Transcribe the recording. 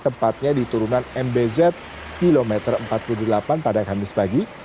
tempatnya di turunan mbz kilometer empat puluh delapan pada kamis pagi